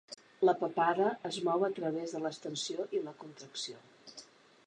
La papada es mou a través de l'extensió i la contracció.